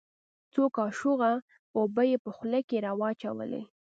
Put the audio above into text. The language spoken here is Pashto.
څو کاشوغه اوبه يې په خوله کښې راواچولې.